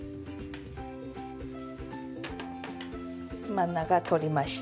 真ん中通りました。